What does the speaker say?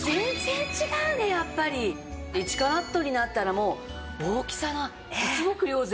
１カラットになったらもう大きさが一目瞭然。